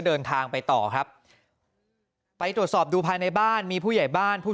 เดินทางไปต่อครับไปตรวจสอบดูภายในบ้านมีผู้ใหญ่บ้านผู้